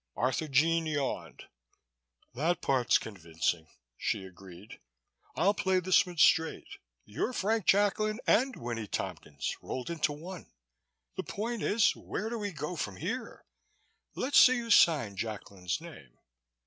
Arthurjean yawned. "That part's convincing," she agreed. "I'll play this one straight. You're Frank Jacklin and Winnie Tompkins rolled into one. The point is, where do we go from here? Let's see you sign Jacklin's name."